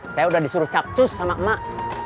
saya sudah disuruh capcus sama emak